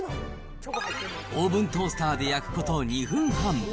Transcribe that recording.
オーブントースターで焼くこと２分半。